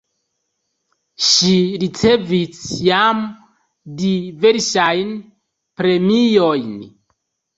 Ŝi ricevis jam diversajn premiojn.